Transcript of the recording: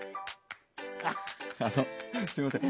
あのすいません。